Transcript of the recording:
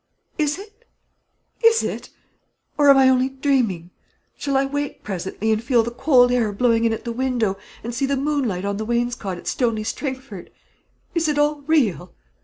Is it is it? Or am I only dreaming? Shall I wake presently and feel the cold air blowing in at the window, and see the moonlight on the wainscot at Stony Stringford? Is it all real?"